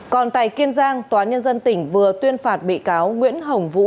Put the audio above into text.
còn tại kiên giang tòa nhân dân tỉnh vừa tuyên phạt bị cáo nguyễn hồng vũ